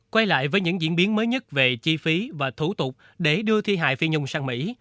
quay lại với những diễn biến mới nhất về chi phí và thủ tục để đưa thi hài phi nhung sang mỹ